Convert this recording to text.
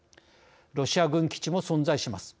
ロシア軍基地も存在します。